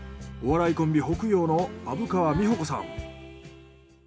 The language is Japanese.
お笑いコンビ北陽の虻川美穂子さん。